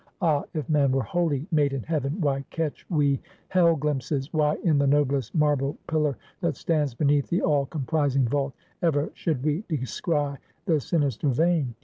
Ah, if man were wholly made in heaven, why catch we hell glimpses? Why in the noblest marble pillar that stands beneath the all comprising vault, ever should we descry the sinister vein?